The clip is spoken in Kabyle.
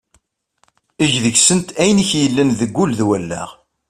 Eg deg-sent ayen i k-yellan deg wul d wallaɣ.